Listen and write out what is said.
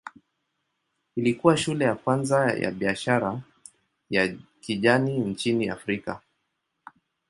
Ilikuwa shule ya kwanza ya biashara ya kijani nchini Afrika.